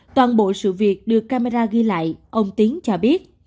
toàn bộ sự việc được camera ghi lại ông tiến cho biết